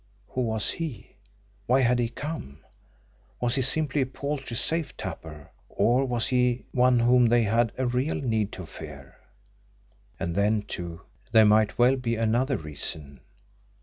Who was he? Why had he come? Was he simply a paltry safe tapper or was he one whom they had a real need to fear? And then, too, there might well be another reason.